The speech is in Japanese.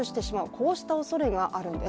こうしたおそれがあるんです。